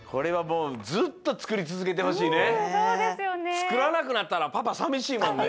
つくらなくなったらパパさみしいもんね。